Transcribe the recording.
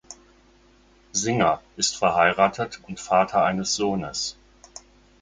Singer ist verheiratet und Vater eines Sohnes.